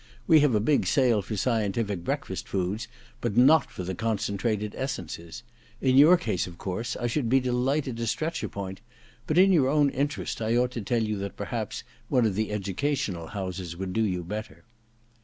We have a big sale for scientific breakfast foods, but not for the concentrated essences. In your case, of course, I should be delighted to stretch a point ; but in your own interest I ought to tell you that perhaps one of the educational houses would do you better.'